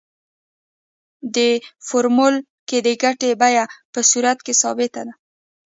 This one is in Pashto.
په فورمول کې د ګټې بیه په صورت کې ثابته ده